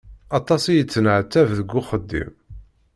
Aṭas i yettneɛtab deg uxeddim.